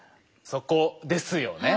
そこですよね。